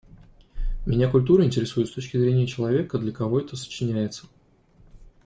Меня культура интересует с точки зрения человека, для кого это сочиняется.